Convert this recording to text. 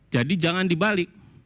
jadi jangan dibalik